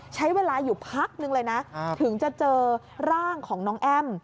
ใช้เวลาอยู่พักนึงเลยนะถึงจะเจอร่างของน้องแอ้ม